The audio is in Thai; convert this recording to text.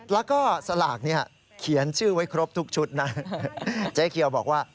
แล้วก็สลากเนี่ยเขียนชื่อไว้ครบทุกชุดนะเจ๊เกียวบอกว่า